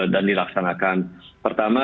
dan dilaksanakan pertama